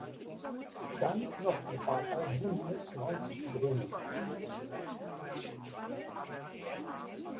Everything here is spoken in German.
Dann noch die Partei Bündnis neunzig die Grünen.